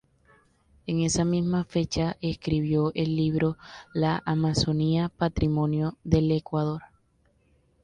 En esa misma fecha escribió el libro "La Amazonía, patrimonio del Ecuador".